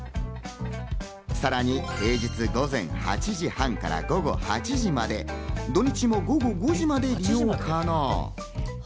さらに平日午前８時半から午後８時まで、土日も午後５時まで利用可能。